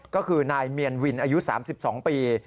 ก็คือนายเมียนวินอายุ๓๒ปี